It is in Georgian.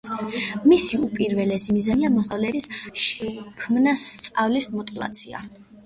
მისი უპირველესი მიზანია მოსწავლეებს შეუქმნას სწავლის მოტივაცია.